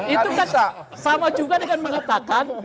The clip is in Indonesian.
itu kan sama juga dengan mengatakan